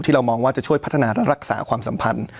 เรามองว่าจะช่วยพัฒนาและรักษาความสัมพันธ์